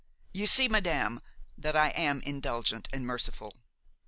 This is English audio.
You see, madame, that I am indulgent and merciful.